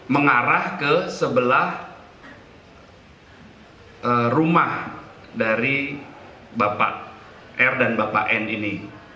mengarah ke sebelah rumah dari bapak r dan bapak n ini